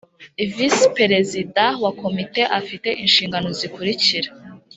visi perezida wa komite afite inshingano zikurikira